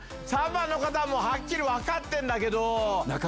３番の方ははっきり分かってるんだけど。